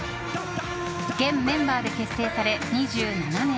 現メンバーで結成され２７年。